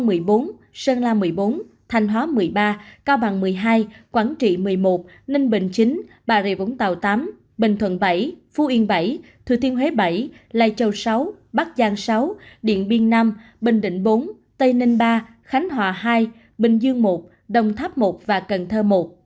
hà nội một mươi bốn sơn la một mươi bốn thành hóa một mươi ba cao bằng một mươi hai quảng trị một mươi một ninh bình chín bà rịa vũng tàu tám bình thuận bảy phu yên bảy thừa thiên huế bảy lai châu sáu bắc giang sáu điện biên năm bình định bốn tây ninh ba khánh hòa hai bình dương một đồng tháp một cần thơ một